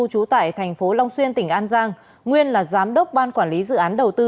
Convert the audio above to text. trú tại thành phố long xuyên tỉnh an giang nguyên là giám đốc ban quản lý dự án đầu tư